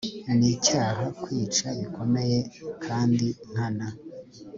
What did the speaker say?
ni icyaha kwica bikomeye kandi nkana